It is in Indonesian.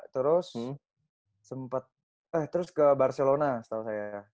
terus ke barcelona setelah saya